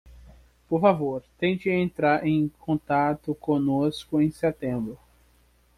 Por favor, tente entrar em contato conosco em setembro.